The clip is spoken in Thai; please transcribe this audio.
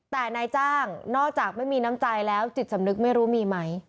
แต่นายจ้างนอกจากไม่มีน้ำใจแล้วจิตสำนึกไม่รู้มีไหม